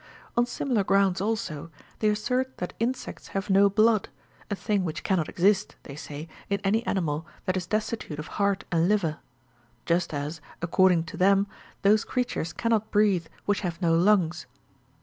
On similar grounds also, they assert that insects have no blood, a thing which cannot exist, they say, in any animal that is destitute of heart and liver ; just as, according to them, those creatures cannot breathe which have no lungs.